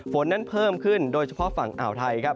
ฝนนั้นเพิ่มขึ้นโดยเฉพาะฝั่งอ่าวไทยครับ